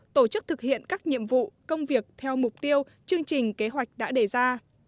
tổ chức thực hiện các nhiệm vụ công việc theo mục tiêu chương trình kế hoạch đã đề ra